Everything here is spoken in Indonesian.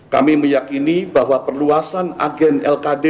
kami meyakini bahwa perluasan agen lkd